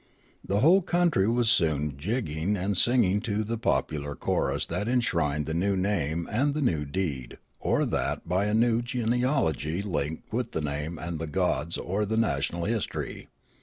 The whole country was soon jigging and singing to the popular chorus that enshrined the new name and the new deed or that by a new genealogy linked the name with the gods or the national history.